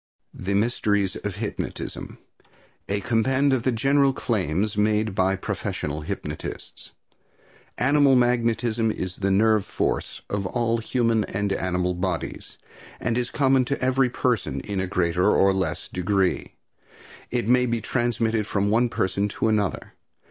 THE MYSTERIES OF HYPNOTISM. A Compend of the General Claims Made by Professional Hypnotists. Animal magnetism is the nerve force of all human and animal bodies, and is common to every person in a greater or less degree. It may be transmitted from one person to another.